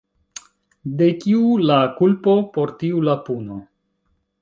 De kiu la kulpo, por tiu la puno.